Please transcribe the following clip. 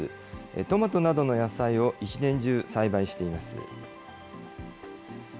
トマトなどの野菜を一年中栽培しています。